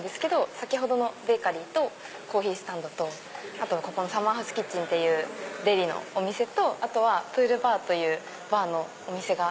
先ほどのベーカリーとコーヒースタンドとサマーハウスキッチンっていうデリのお店とプールバーというバーのお店が。